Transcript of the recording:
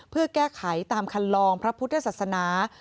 เพื่อแก้ไขตามคันลองพระพุทธศาสนา